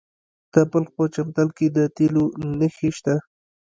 د بلخ په چمتال کې د تیلو نښې شته.